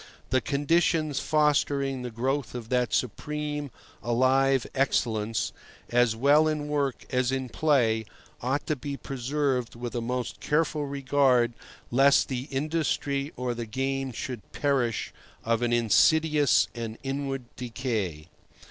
The conditions fostering the growth of that supreme, alive excellence, as well in work as in play, ought to be preserved with a most careful regard lest the industry or the game should perish of an insidious and inward decay.